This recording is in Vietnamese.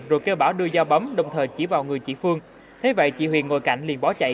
rồi kêu bảo đưa dao bấm đồng thời chỉ vào người chị phương thế vậy chị huyền ngồi cảnh liền bỏ chạy